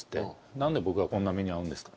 「何で僕がこんな目に遭うんすか」